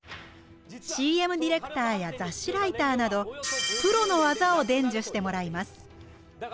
ＣＭディレクターや雑誌ライターなどプロの技を伝授してもらいます。